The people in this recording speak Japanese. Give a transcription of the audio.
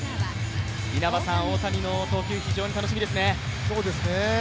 稲葉さん、大谷の投球、非常に楽しみですね。